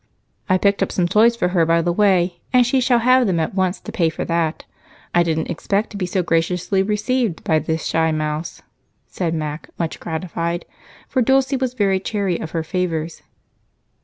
"I picked up some toys for her, by the way, and she shall have them at once to pay for that. I didn't expect to be so graciously received by this shy mouse," said Mac, much gratified, for Dulce was very chary of her favors.